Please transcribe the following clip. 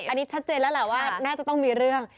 อันนี้ชัดเจนแล้วแหละว่าน่าจะต้องมีเรื่อง